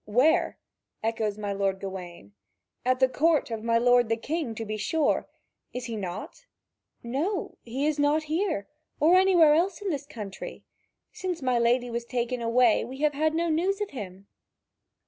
"Where?" echoes my lord Gawain; "at the court of my lord the King, to be sure. Is he not?" "No, he is not here, or anywhere else in this country. Since my lady was taken away, we have had no news of him."